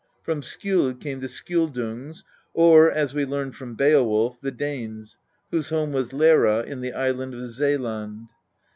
From Skjold came the Skjoldungs, or, as we learn from Beowulf, the Danes, whose home was Leira in the island of Seeland.